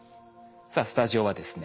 さあスタジオはですね